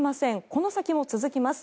この先も続きます。